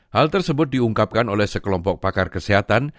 hal tersebut diungkapkan oleh sekelompok pakar kesehatan